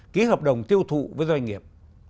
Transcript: ký hợp đồng tiêu thụ với doanh nghiệp